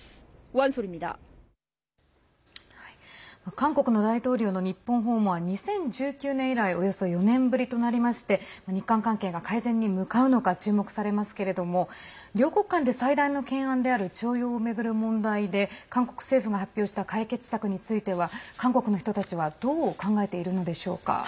韓国の大統領の日本訪問は２０１９年以来およそ４年ぶりとなりまして日韓関係が改善に向かうのか注目されますけれども両国間で最大の懸案である徴用を巡る問題で韓国政府が発表した解決策については韓国の人たちはどう考えているのでしょうか。